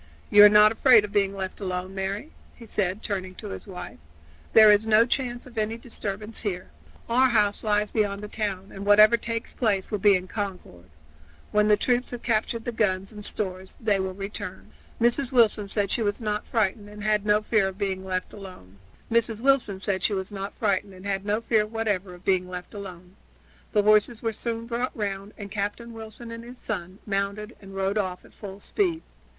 You are not afraid of being left alone, Mary?" he said, turning to his wife. "There is no chance of any disturbance here. Our house lies beyond the town, and whatever takes place will be in Concord. When the troops have captured the guns and stores they will return." Mrs. Wilson said she was not frightened and had no fear whatever of being left alone. The horses were soon brought round, and Captain Wilson and his son mounted and rode off at full speed.